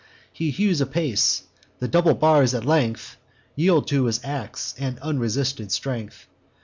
He hews apace; the double bars at length Yield to his ax and unresisted strength.